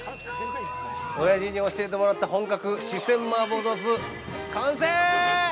◆親父に教えてもらった本格四川麻婆豆腐完成！